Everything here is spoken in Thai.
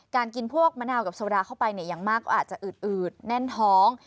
กินพวกมะนาวกับโซดาเข้าไปเนี่ยอย่างมากก็อาจจะอืดแน่นท้อง